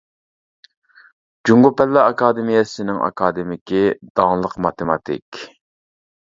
جۇڭگو پەنلەر ئاكادېمىيەسىنىڭ ئاكادېمىكى، داڭلىق ماتېماتىك.